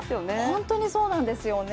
本当にそうなんですよね。